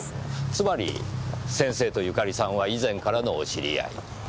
つまり先生とゆかりさんは以前からのお知り合い。